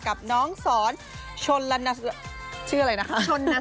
กับน้องสอนชนลชื่ออะไรนะคะ